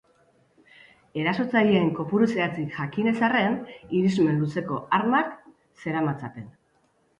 Erasotzaileen kopuru zehatzik jakin ez arren, irismen luzeko armak zeramatzaten.